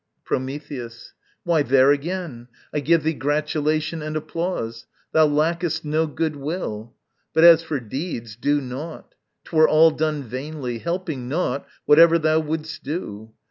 Prometheus. Why there, again, I give thee gratulation and applause. Thou lackest no goodwill. But, as for deeds, Do nought! 'twere all done vainly; helping nought, Whatever thou wouldst do.